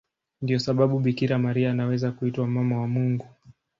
Ndiyo sababu Bikira Maria anaweza kuitwa Mama wa Mungu.